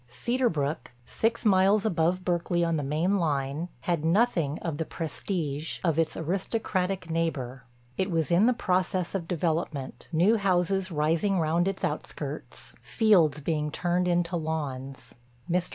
Cedar Brook, six miles above Berkeley on the main line, had none of the prestige of its aristocratic neighbor. It was in the process of development, new houses rising round its outskirts, fields being turned into lawns. Mr.